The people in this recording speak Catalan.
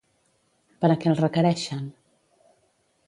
Per a què el requereixen?